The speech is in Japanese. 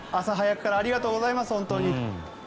朝早くからありがとうございます。